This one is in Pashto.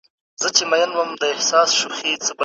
سياسي مشرتوب نسي کېدای چي تل سوله یيز وي.